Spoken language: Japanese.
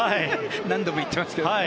何度も言ってますけど。